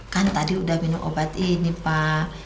kan tadi udah minum obat ini pak